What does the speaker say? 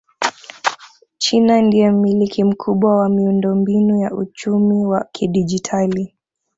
China ndiye mmiliki mkubwa wa miundombinu ya uchumi wa kidigitali